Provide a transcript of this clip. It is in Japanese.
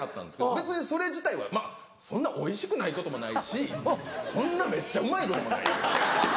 別にそれ自体はまぁそんなおいしくないこともないしそんなめっちゃうまいこともない。